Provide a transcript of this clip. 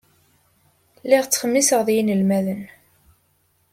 Lliɣ ttxemmiseɣ ed yinelmaden.